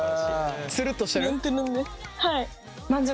ツルっとしてる？